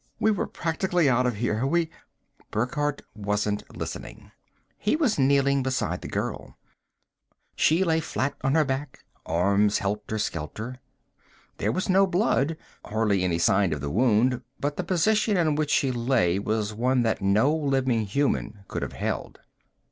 We were practically out of here! We " Burckhardt wasn't listening. He was kneeling beside the girl. She lay flat on her back, arms helter skelter. There was no blood, hardly any sign of the wound; but the position in which she lay was one that no living human being could have held.